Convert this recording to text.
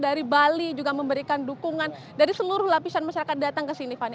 dari bali juga memberikan dukungan dari seluruh lapisan masyarakat datang ke sini fani